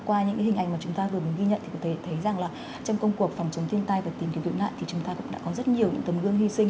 qua những hình ảnh mà chúng ta vừa mới ghi nhận thì có thể thấy rằng là trong công cuộc phòng chống thiên tai và tìm kiếm cứu nạn thì chúng ta cũng đã có rất nhiều những tấm gương hy sinh